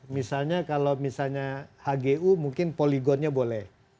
misalnya kalau misalnya hgu mungkin poligonnya boleh